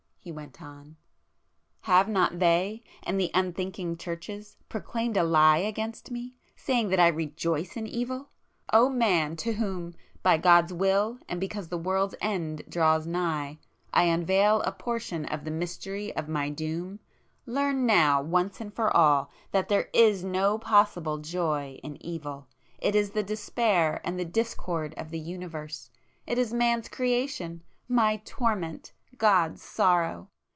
he went on—"Have not they, and the unthinking churches, proclaimed a lie against me, saying that I rejoice in evil? O man to whom, by God's will and because the world's end draws nigh, I unveil a portion of the mystery of my doom, learn now once and for all, that there is no possible joy in evil!—it is the despair and the discord of the Universe,—it is Man's creation,—My torment,—God's sorrow!